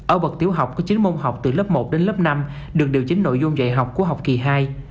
ở bậc tiểu học có chín môn học từ lớp một đến lớp năm được điều chính nội dung dạy học của học kỳ hai